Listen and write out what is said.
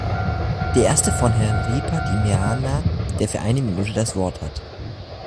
Die erste von Herrn Ripa di Meana, der für eine Minute das Wort hat.